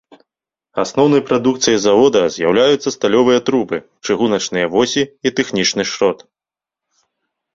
Асноўнай прадукцыяй завода з'яўляюцца сталёвыя трубы, чыгуначныя восі і тэхнічны шрот.